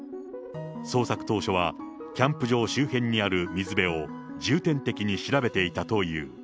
捜索当初はキャンプ場周辺にある水辺を重点的に調べていたという。